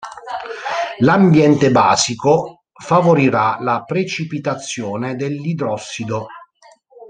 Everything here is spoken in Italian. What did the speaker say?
L'ambiente basico favorirà la precipitazione dell'idrossido.